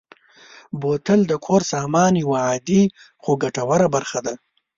بوتل د کور سامان یوه عادي خو ګټوره برخه ده.